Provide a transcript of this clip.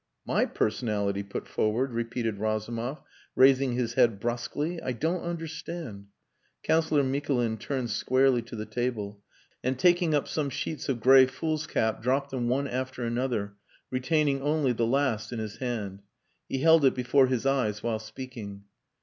"My personality put forward?" repeated Razumov, raising his head brusquely. "I don't understand." Councillor Mikulin turned squarely to the table, and taking up some sheets of grey foolscap dropped them one after another, retaining only the last in his hand. He held it before his eyes while speaking.